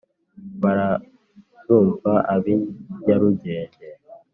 barazumva ab' i nyarugenge